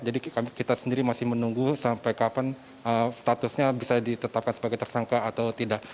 jadi kita sendiri masih menunggu sampai kapan statusnya bisa ditetapkan sebagai tersangka atau tidak